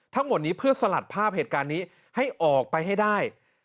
ทั้งหมดนี้เพื่อสลัดภาพเหตุการณ์นี้ให้ออกไปให้ได้